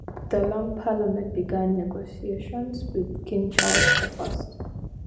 The Long Parliament began negotiations with King Charles the First.